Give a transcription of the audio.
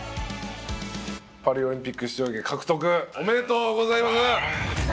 パリオリンピック出場権獲得おめでとうございます。